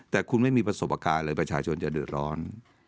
แต่คุณไม่มีประสบการณ์เลยประชาชนจะเดือดร้อน